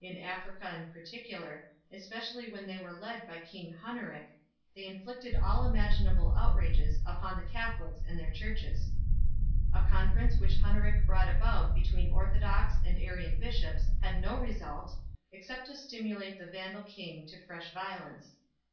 In Africa, in particular, especially when they were led by king Hunneric, they inflicted all imaginable outrages upon the Catholics and their churches 1 . A conference which Hunneric brought about between orthodox and Arian bishops had no result, except to stimulate the Vandal king to fresh violence.